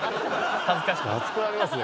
熱くなりました。